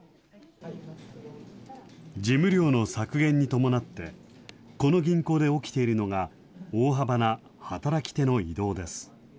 事務量の削減に伴って、この銀行で起きているのが大幅な働き手の移動です。